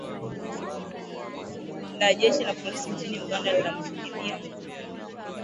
na jeshi la polisi nchini uganda linamshikilia mtu mmoja